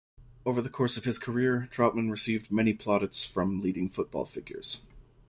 Over the course of his career, Trautmann received many plaudits from leading football figures.